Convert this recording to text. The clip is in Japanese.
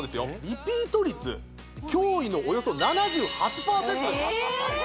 リピート率驚異のおよそ７８％ですええ！？